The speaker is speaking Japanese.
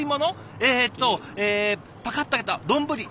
えっとえパカッと開けた丼。